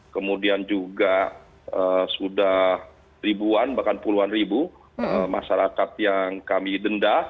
kemudian juga sudah ribuan bahkan puluhan ribu masyarakat yang kami denda